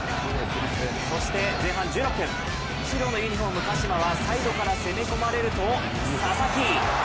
そして前半１６分白のユニフォーム・鹿島はサイドから攻め込まれると、佐々木。